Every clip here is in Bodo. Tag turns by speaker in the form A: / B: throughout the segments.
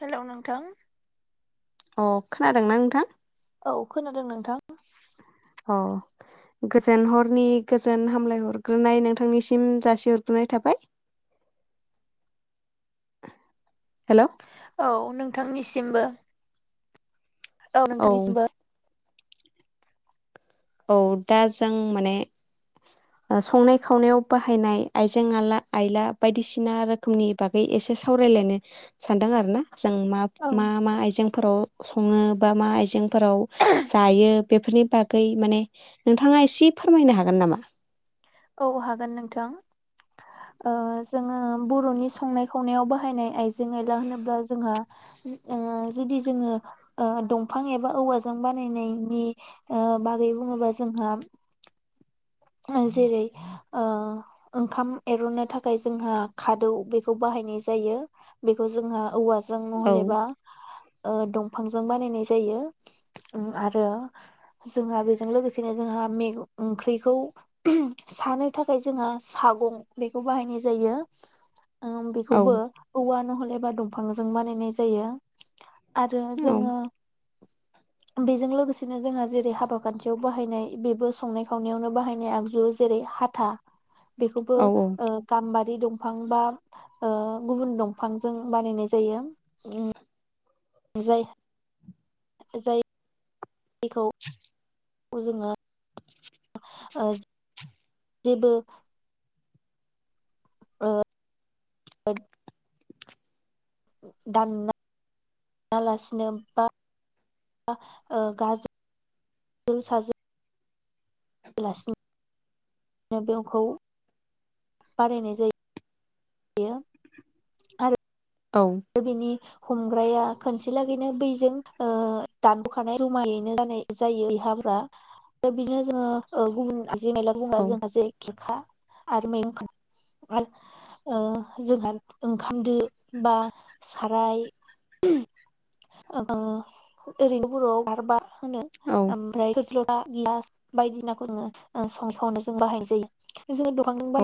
A: हेलौ नोंथां।
B: अ खोनादोंना नोंथां?
A: औ खोनादों नोंथां?
B: अ गोजोन हरनि गोजोन हामलाय हरग्रोनाय नोंथांनिसिम जासिहरग्रोनाय थाबाय। हेल'
A: औ नोंथांनिसिमबो। औ नोंथांनिसिमबो।
B: औ दा जों माने ओ संनाय खावनायाव बाहायनाय आइजें आला आइला बायदिसिना रोखोमनि बागै एसे सावरायलायनो सानदों आरो ना जों मा
A: औ
B: मा मा आइजेंफोराव सङो बा मा आइजों फोराव जायो बेफोरनि बा गै माने नोंथाङा एसे फोरमायनो हागोन नामा?
A: औ हागोन नोंथां ओ जोंङो बरनि संनाय खावनायाव बाहायनाय आइजें जें आयला होनोब्ला जोंहा ओ जुदि जोङो ओ दंफां एबा औवाजों बानायनायनि ओ बागै बुङोबा जोंहा जेरै ओ ओंखाम एरननो थाखाय जोंहा खादौ बेखौ बाहायनाय जायो बेखौ जोंहा औवा जों
B: औ
A: नहलेबा ओ दं बिफांजों बानायनाय जायो आरो जोंहा बेजों लोगोसेनो जोंहा मेग ओंख्रिखौ सानो थाखाय जोंहा सागं बेखौ बाहायनाय जायो ओ
B: औ
A: बेखौबो औवा नहले बा दंफांजों बानायनाय जायो आरो
B: औ
A: जोङो बेजों लोगोसेनो जोंहा जेरै हाबा खान्थियाव बाहायनाय बेबो संनाय खावनायावनो बाहाय- नि आगजु जेरै हाथा बेखौबो
B: औ
A: ओ गाम्बारि दं दफां बा अ गुबुन दंफांजों बानायनाय जायो उ जाया जायो बेखौ गु जोंङो अ देबो आ [inaudible] दानना लासिनो बा अ गाज साज [unintelligible] ग्लासनि नेबेवखौ बानायनाय जायो यो आरो
B: औ
A: बिनि हमग्राया खनसे लागैनो बैजों ओ- दानबोखानाय रुमायैनो जानाय जायो इहाफोरा बिनो जोङो ओ- गुबुन जेनेल बुंना जोंहा [unintelligible] आरो मैगं खा आरो ओ मैगं जोंहा ओंखाम दो बा साराय ओरैनो ओ- बर'आव गारबा। होनो
B: औ
A: ओमफ्राय [unintelligible] आ गिलास बायदिनाखौ जोङो संखावनो जों बाहाय जायो। [unintelligible]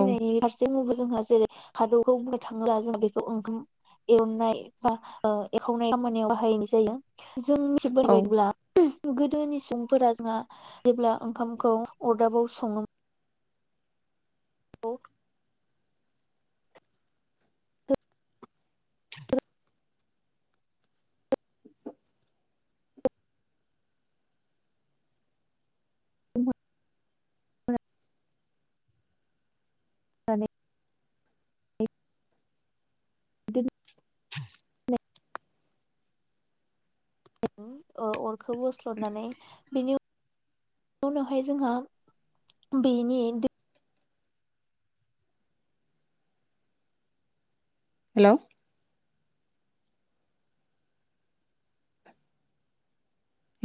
B: औ
A: जेरै खादौखौ बुंनो थाङोब्ला जों बेखौ ओंखाम। एवनाय बा ओ- एखावनाय खामानियाव बाहायनाय जायो। जों
B: औ
A: मिथिबोबायब्ला। गोदोनि सुबुंफोरा जोंहा जेब्ला ओंखामखौ अरदाबाव सङो औ [unintelligible] माने बिदिनो [inaudible] अ-अरखौ बोस्ल'नानै बेनि उनावहाय जोंहा बेनि दै।
B: हेल'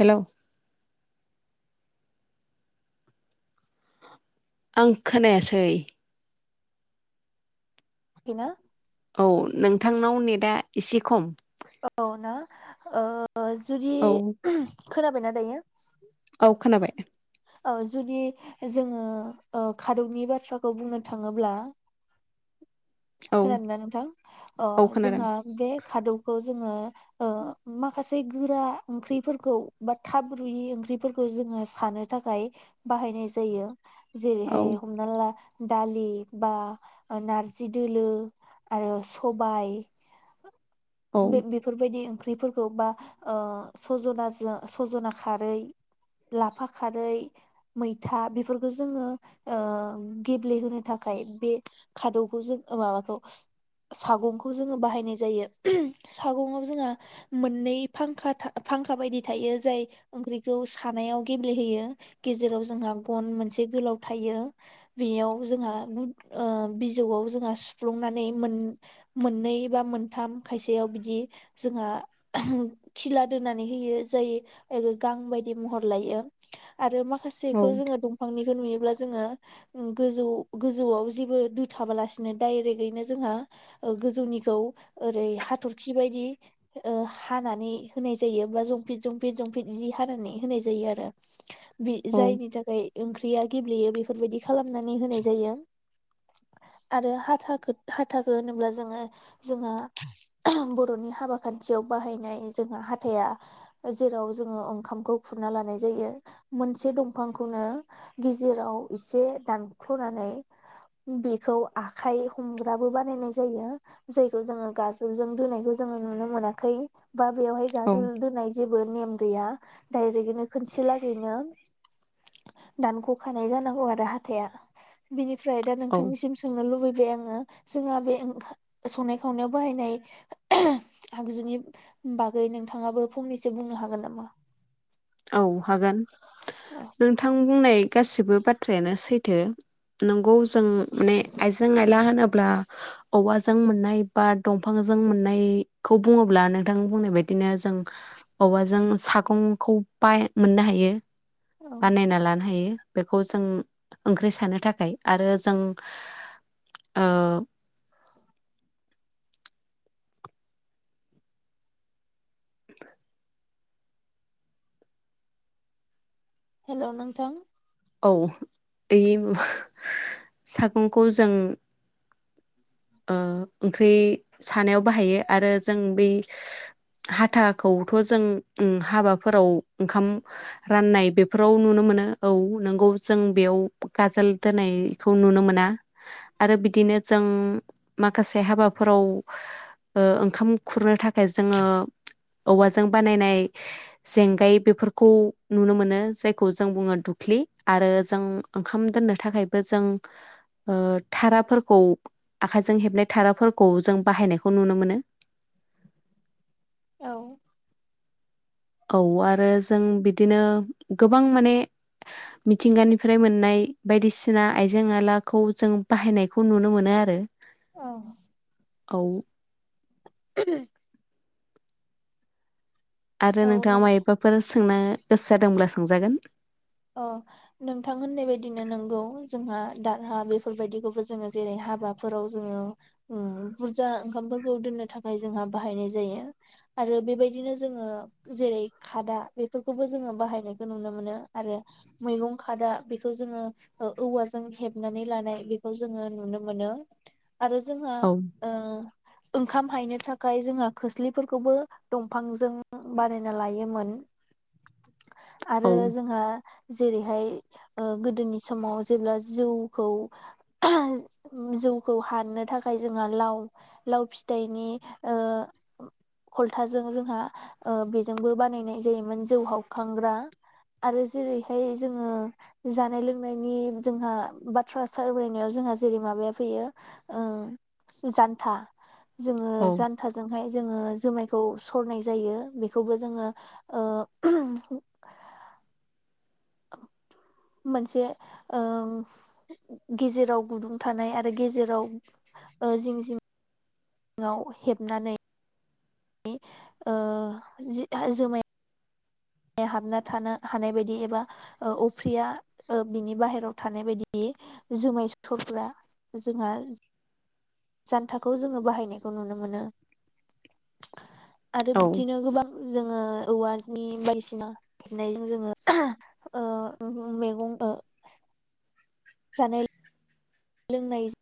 B: हेल' आं खोनायासै
A: [unintelligible]
B: औ नोंथांनाव नेटआ एसे खम।
A: औ ना ओ- अ जुदि
B: औ
A: खोनाबायना दायो?
B: औ खोनाबाय।
A: ओ जुदि जोङो ओ- खादौनि बाथ्राखौ बुंनो थाङोब्ला।
B: औ
A: खोनादों ना नोंथां अ
B: औ खोनादों
A: जोंहा बे खादौखौ जोङो ओ- माखासे बै गोरा ओंख्रिफोरखौ बा थाब रुयि ओंख्रिफोरखौ जोङो सानो। थाखाय बाहायनाय जायो।
B: औ
A: जेरैहाय हमना ला। दालि बा नारजि दोलो आरो सबाय।
B: औ
A: बे बेफोरबायदि ओंख्रिफोरखौ बा ओ- सजनाजो सजना खारै लाफा खा खारै मैथा बेफोरखौ जोङो ओ- गेब्लेहोनो थाखाय बे खादौखौ जों माबाखौ ओ- सागंखौ जोङो बाहायनाय जायो सागंआव जोंहा मोननै फां-फांखा फांखा बायदि थायो जाय ओंख्रिखौ सानायाव गेब्लेहोयो। गेजेराव जोंहा गन मोनसे गोलाव थायो बेयाव जोंहा गुन अ बिजौआव जोंहा सुफ्लुंनानै मोन-मोननै बा मोनथाम खायसेयाव बिदि जोंहा खिला दोननानै होयो जाय गां बायदि महर लायो। [inaudible] आरो
B: औ
A: माखासेखौ जोङो दंफांनिखौ नुयो। अब्ला जोङो गोजौ गोजौआव जेबो दुथाबालासिनो दायरेक्टयैनो जोंहा ओ-गोजौनिखौ ओरै हाथरखि बायदि ओ- हानानै होनाय जायो बा जंफ्लिट जंफ्लिट जंफ्लिट जि हानानै होनाय जायो आरो बे
B: औ
A: जायनि थाखाय ओंख्रिया गेब्लेयो बेफोरबायदि खालामनानै होनाय जायो आरो हाथाखौ हाथाखौ होनोब्ला जोङो जोंहा बर'नि हाबा खान्थियाव बाहायनाय जोंहा हाथाया जेराव जोङो ओंखामखौ खुरना लानाय जायो मोनसे दंफांखौनो गेजेराव एसे दानख्ल'नानै बेखौ आखाय हमग्राबो बानायनाय जायो जायखौ जोङो गाजुलजों दोननायखौ जोङो नुनो मोनाखै बा बेवहाय
B: औ
A: गाजोल दोनाय जेबो नेम गैया डाइरेकनो खोनसे लागैनो दानख'खानाय जानांगौ आरो हाथाया बिनि फ्राय दा
B: औ
A: नोंथांनिसिम बे ङो जोंहा बे ओ संनाय खावनायाव बाहायनाय आगजुनि बागै नोंथाङाबो फंनैसो बुंनो हागोन नामा?
B: औ हागोन नोंथां बुंनाय गासिबो बाथ्रायानो सैथो नों खौ जों माने आइस आयजें आयला होनोब्ला औवाजों मोननाय बा दंफांजों मोननायखौ बुङोब्ला नोंथां बुंनाय बादिनो जों औवाजों सागंखौ फाइ मोननो हायो
A: औ
B: बानायना लानो हायो। बेखौ जों ओंख्रि सानो थाखाय आरो जों ओ
A: हेल' नोंथां
B: औ बे सागंखौ जों ओ ओंख्रि सानायाव बाहायो आरो जों बै हाथाखौथ' जों उम हाबाफोराव ओंखाम राननाय बेफोराव नुनो मोनो औ। नोंगौ जों बेयाव गाजोल दोनायखौ नुनो मोना आरो बिदिनो जों माखासे हाबाफोराव ओ ओंखाम खुरनो थाखाय जोङो औवाजों बानायनाय जेंगाय बेफोरखौ नुनो मोनो जायखौ जों बुङो दुख्लि आरो जों ओंखाम दोननो थाखायबो जों ओ थाराफोरखौ आखायजों हेबनाय थाराफोरखौ जों बाहायनायखौ नुनो मोनो।
A: औ
B: औ आरो जों बिदिनो गोबां माने मिथिंगानिफ्राय मोननाय बायदिसिना आइजें आइलाखौ जों बाहायनायखौ नुनो मोनो आरो।
A: औ
B: औ
A: [unintelligible]
B: आरो
A: औ
B: नोंथाङा
A: नों
B: मा एफाफोरस सोंनो गोसो जादोंब्ला सोंजागोन।
A: अ नोंथां होननाय बायदिनो नोंगौ जोंहा दारहा बेफोरबायदिखौबो जोङो जेरै हाबाफोराव जोङो उ बुरजा ओंखामफोरखौ दोननो थाखाय जोंहा बाहायनाय जायो आरो बेबायदिनो जोङो जेरै खादा बेफोरखौबो जोङो बाहायनायखौ नुनो मोनो। आरो मैगं खादा बेखौ जोङो औवाजों हेबनानै लानाय बेखौ जोङो नुनो मोनो। आरो जोंहा
B: औ
A: ओ ओंखाम हायनो थाखाय जोंहा खोस्लिफोरखौबो दंफांजों बानायना लायोमोन आरो
B: औ
A: [unintelligible] जेरैहाय ओ गोदोनि समाव जेब्ला जौखौ जौखौ हाननो थाखाय जोंहा लाव लाव फिथाइनि ओ खलथाजों जोंहा ओ बेजोंबो बानायनाय जायोमोन जौ हावखांग्रा। आरो जेरैहाय जोङो जानाय लोंनायनि जोंहा बाथ्रा सावरायनायाव जोंहा जेरै माबाया फैयो ओ जानथा जोङो
B: औ
A: जानथाजोंहाय जोङो जुमायखौ सरनाय जायो बेखौबो जोङो‌ ओ मोनसे ओ गेजेराव गुदुं थानाय आरो गेजेराव ओ जिं जिं ङाव हेबनानै ओ जि जोमाया हाबना थानो हानाय बायदि एबा अफ्रिया बिनि बाहेरायाव थानाय बायदि जुमाय सुथरफोरा जोंहा जानथाखौ जोङो बाहायनायखौ नुनो मोनो आरो
B: औ
A: बिदिनो गोबां जोङो औवानि [unintelligible] बायदिसिना खबनायजों जोङो ओ मैगं सानै लोंनाय जा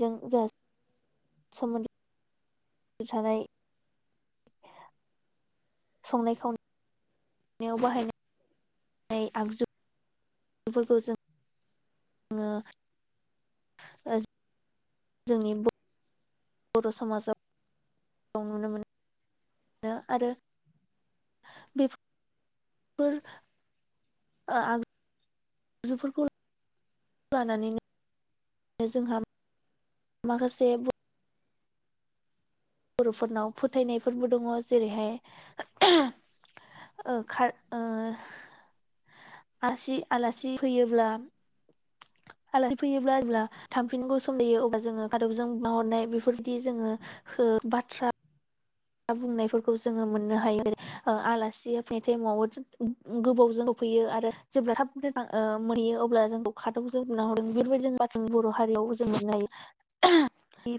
A: जों जा समोन थानाय संनाय खावनाय याव बाहायनो आगजु बेफोरखौ जों [unintelligible] ओ जोंनि ब बर' समाजाव दं नुनो मोनो आरो बे फोर [unintelligible] फोरखौ ला लानानैनो जोंहा माखासे [unintelligible] बर'फोरनाव फोथायनायफोरबो दङ जेरैहाय आसि आलासि फैयोब्ला ओ आलासि फैयोब्ला जब्ला थामफिन गस लेयो अब्ला जोङो गादबजों बाहरनाय बेफोरबायदि जोङो हो बाथ्रा बुंनायफोरखौ जोङो मोननो हायो जै आलासि हो फैनाय टाइमावबो गोबावजों सफैयो आरो जेब्ला थाब मोनहैयो अब्ला जोंखौ खादबजों नुना हरदों बेफोरबायदि जों ब बर' हारियाव जों मोननाय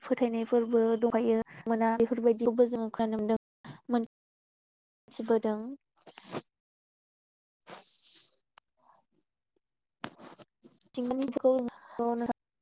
A: फोथायनायफोरबो दंगायो मोना बेफोरबायदियावबो जोङो अख्रा नदोंथिबोदों [unintelligible] [unintelligible]